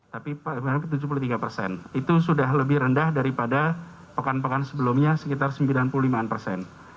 tapi tujuh puluh tiga persen itu sudah lebih rendah daripada pekan pekan sebelumnya sekitar sembilan puluh lima persen